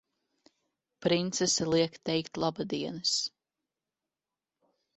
Princese liek teikt labdienas!